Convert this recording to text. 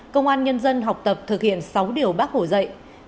công an nhân dân học tập thực hiện sáu điều bác hồ dạy